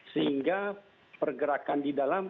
sehingga pergerakan di dalam